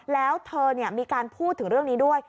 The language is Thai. แล้วเธอมีการพูดถึงเรื่องนี้ด้วย